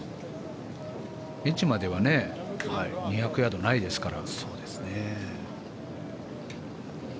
エッジまでは２００ヤードないですから。